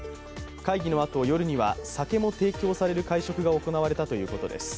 会議のあと、夜には酒も提供される会食が行われたということです。